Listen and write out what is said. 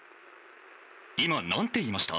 今なんて言いました？」。